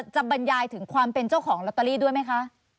บรรยายถึงความเป็นเจ้าของลอตเตอรี่ด้วยไหมคะ